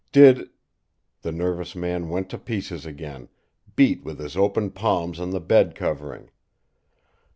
Did " The nervous man went to pieces again, beat with his open palms on the bed covering.